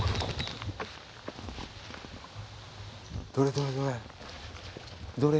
どれどれどれ？